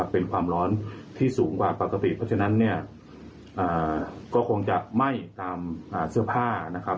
เป็นความร้อนที่สูงกว่าปกติเพราะฉะนั้นเนี่ยก็คงจะไหม้ตามเสื้อผ้านะครับ